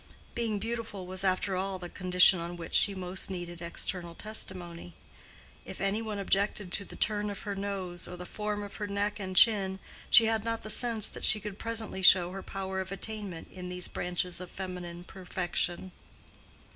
Being beautiful was after all the condition on which she most needed external testimony. If any one objected to the turn of her nose or the form of her neck and chin, she had not the sense that she could presently show her power of attainment in these branches of feminine perfection.